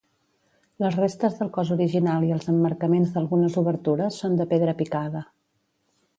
Les restes del cos original i els emmarcaments d'algunes obertures són de pedra picada.